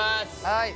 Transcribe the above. はい。